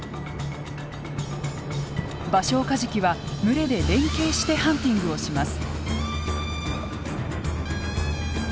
バショウカジキは群れで連携してハンティングをします。